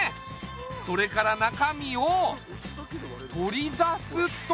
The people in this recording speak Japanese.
それから中身を取り出すと。